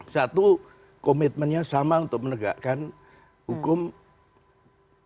satu komitmennya sama untuk menegakkan hukum terhadap tidak pinjang korupsi